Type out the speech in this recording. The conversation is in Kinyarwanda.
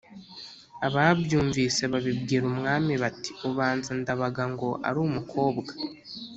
ababyumvise babibwira umwami, bati «ubanza ndabaga ngo ari umukobwa!